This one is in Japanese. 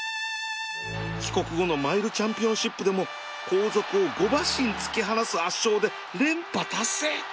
帰国後のマイルチャンピオンシップでも後続を５馬身突き放す圧勝で連覇達成